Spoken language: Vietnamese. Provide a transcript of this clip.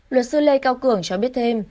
luật sư lê cao cường cho biết thêm